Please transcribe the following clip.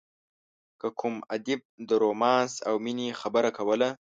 که کوم ادیب د رومانس او مینې خبره کوله.